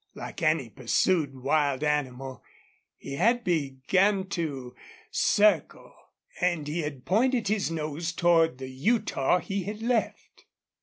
Like any pursued wild animal, he had began to circle. And he had pointed his nose toward the Utah he had left.